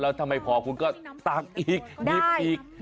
แล้วถ้าไม่พอคุณก็ตักอีกหยิบอีก